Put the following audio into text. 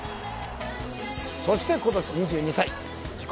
そして今年２２歳自己